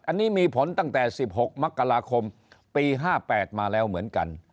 อันนี้มีผลตั้งแต่๑๖มกราคมปี๕๘มาแล้วเหมือนกัน